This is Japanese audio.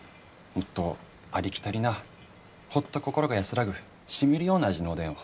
もっとありきたりなホッと心が安らぐしみるような味のおでんを。